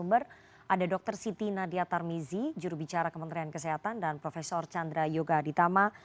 ada dr siti nadia tarmizi jurubicara kementerian kesehatan dan prof chandra yoga aditama